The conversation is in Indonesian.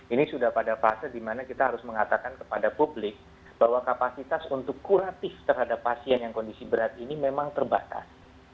ini sudah pada fase dimana kita harus mengatakan kepada publik bahwa kapasitas untuk kuratif terhadap pasien yang kondisi berat ini memang terbatas